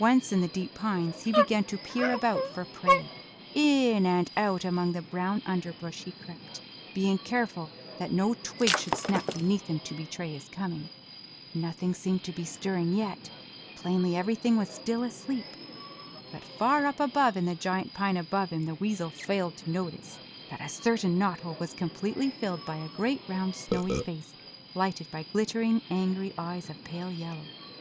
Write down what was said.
Once in the deep pines he began to peer about for prey; in and out among the brown underbrush he crept, being careful that no twig should snap beneath him to betray his coming. Nothing seemed to be stirring yet; plainly everything was still asleep. But far up above in the giant pine above him the weasel failed to notice that a certain knot hole was completely filled by a great, round, snowy face lighted by glittering, angry eyes, of pale yellow.